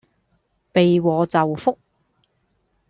避禍就福